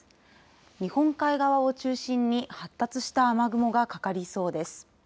日本海側を中心に発達した雨雲がかかりそうです。